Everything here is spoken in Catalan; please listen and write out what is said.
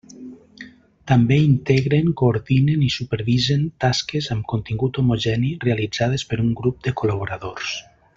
També integren, coordinen i supervisen tasques amb contingut homogeni realitzades per un grup de col·laboradors.